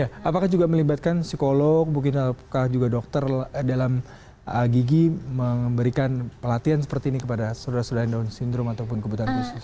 ya apakah juga melibatkan psikolog mungkin apakah juga dokter dalam gigi memberikan pelatihan seperti ini kepada saudara saudara yang down syndrome ataupun kebutuhan khusus